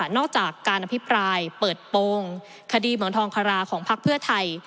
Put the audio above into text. จากการอภิปรายเปิดโปรงคดีเหมืองทองคาราของพักเพื่อไทย